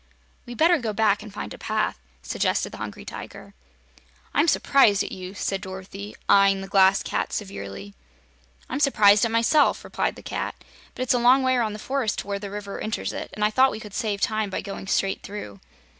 "We'd better go back and find a path," suggested the Hungry Tiger. "I'm s'prised at you," said Dorothy, eyeing the Glass Cat severely. "I'm surprised, myself," replied the Cat. "But it's a long way around the forest to where the river enters it, and I thought we could save time by going straight through."